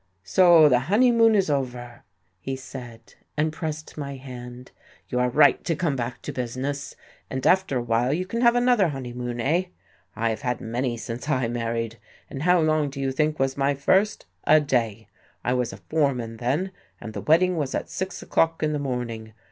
"So, the honeymoon is over!" he said, and pressed my hand. "You are right to come back to business, and after awhile you can have another honeymoon, eh? I have had many since I married. And how long do you think was my first? A day! I was a foreman then, and the wedding was at six o'clock in the morning.